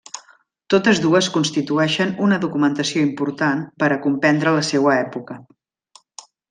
Totes dues constitueixen una documentació important per a comprendre la seua època.